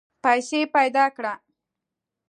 پیسې پیدا کړه.